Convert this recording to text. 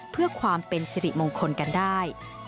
เพื่อความเป็นสิริมงคลกันได้